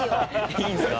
いいんすか？